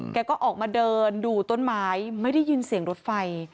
แกก็ออกมาเดินดูต้นไม้ไม่ได้ยินเสียงรถไฟ